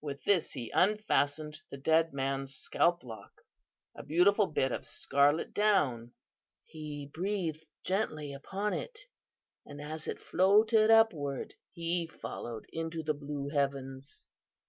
With this he unfastened from the dead man's scalp lock a beautiful bit of scarlet down. He breathed gently upon it, and as it floated upward he followed into the blue heavens.